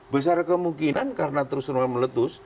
besar kemungkinan karena terus terang meletus